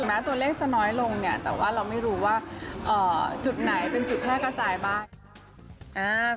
แม้เลขจะน้อยลงแต่ว่าเราไม่รู้ว่าจุดไหนเป็นจุภาคกระจายบ้าง